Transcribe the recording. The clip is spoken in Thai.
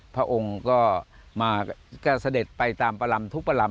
พระองค์ก็มาก็เสด็จไปตามประลำทุกประลำ